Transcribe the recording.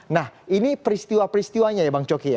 nah ini peristiwa peristiwanya ya bang coki ya